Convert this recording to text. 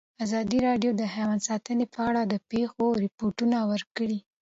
ازادي راډیو د حیوان ساتنه په اړه د پېښو رپوټونه ورکړي.